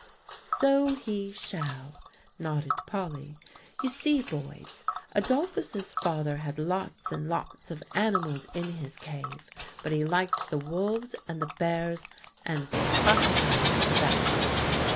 "So he shall," nodded Polly. "You see, boys, Adolphus's father had lots and lots of animals in his cave; but he liked the wolves and the bears and the crocodiles the best."